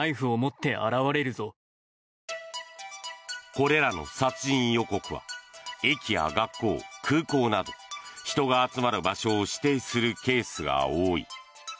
これらの殺人予告は駅や学校、空港など人が集まる場所を指定するケースが多い。